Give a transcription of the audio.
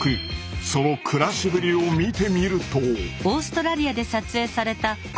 その暮らしぶりを見てみると。